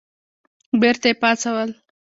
بېرته یې پاڅول.